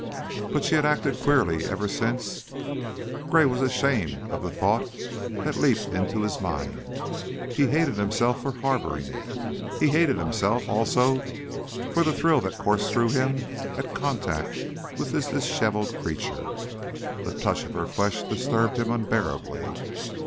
But she had acted queerly ever since Gray was ashamed of the thought that leaped into his mind; he hated himself for harboring it. He hated himself also for the thrill that coursed through him at contact with this disheveled creature. The touch of her flesh disturbed him unbearably.